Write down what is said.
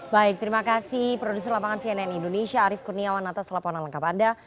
baik terima kasih produser lapangan cnn indonesia arief kurniawan atas laporan lengkap anda